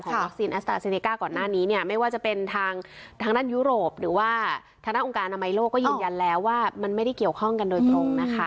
วัคซีนแอสตาร์เซเนก้าก่อนหน้านี้เนี่ยไม่ว่าจะเป็นทางด้านยุโรปหรือว่าทางด้านองค์การอนามัยโลกก็ยืนยันแล้วว่ามันไม่ได้เกี่ยวข้องกันโดยตรงนะคะ